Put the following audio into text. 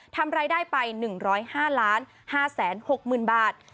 ทำรายได้ไป๑๐๕๕๖๐๐๐บาท